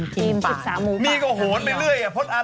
ทีมป่า